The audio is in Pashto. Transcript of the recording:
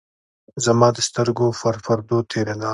زمـا د سـترګو پـر پـردو تېـرېده.